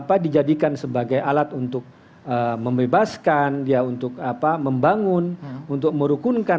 apa dijadikan sebagai alat untuk membebaskan dia untuk membangun untuk merukunkan